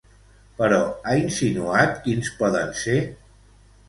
Però ha insinuat quins poden ser?